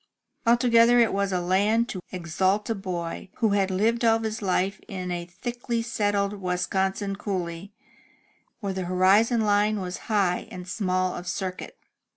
Altogether it was a land to exalt a boy who had lived all his life in a thickly settled Wisconsin coolly, where the horizon line was high and small of circuit.